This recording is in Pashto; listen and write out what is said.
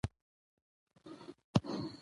چار مغز د افغانستان د انرژۍ سکتور برخه ده.